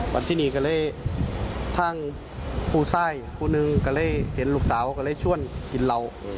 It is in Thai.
วันที่นี่ก็เลยทางผู้ไส้ผู้หนึ่งก็เลยเห็นลูกสาวก็เลยชวนกินเหล้า